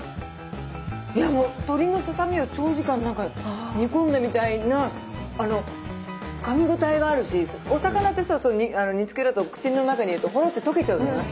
いやもう鶏のささみを長時間なんか煮込んだみたいなあのかみ応えがあるしお魚ってさ煮つけると口の中に入れるとほろって溶けちゃうじゃない？